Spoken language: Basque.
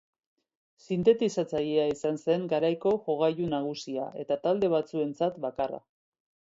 Sintetizatzailea izan zen garaiko jogailu nagusia, eta talde batzuentzat, bakarra.